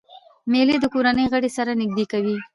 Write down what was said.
مېلې د کورنۍ غړي سره نږدې کوي.